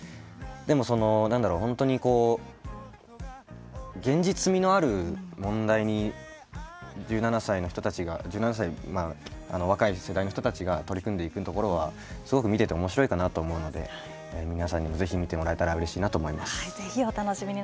でも、本当に現実味のある問題に若い世代の人たちが取り組んでいくところはすごくおもしろいなと思うので皆さんにも、ぜひ見てもらえたらうれしいなと思います。